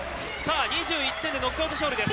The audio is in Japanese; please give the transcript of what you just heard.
２１点でノックアウト勝利です。